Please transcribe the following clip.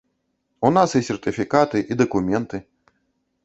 У нас і сертыфікаты, і дакументы.